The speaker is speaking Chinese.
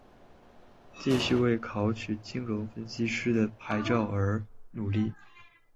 继续为考取金融分析师的牌照而努力。